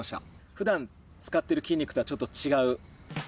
ふだん使ってる筋肉とはちょっと違う。